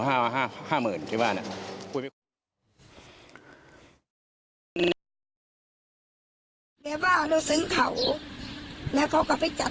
ห้าห้าห้าหมื่นแบบว่าเราซื้อเขาแล้วก็ไปจัด